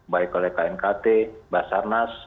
baik oleh knkt basarnas